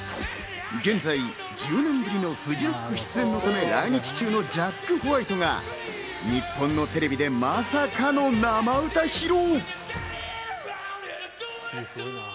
現在、１０年ぶりのフジロック出演のため、来日中のジャック・ホワイトが日本のテレビでまさかの生歌披露。